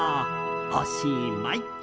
おしまい。